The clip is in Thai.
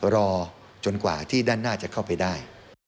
รอจนกว่าที่ด้านหน้าจะเข้าไปได้